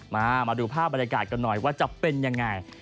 มาดูภาพบรรยากาศกันหน่อยว่าจะเป็นยังไง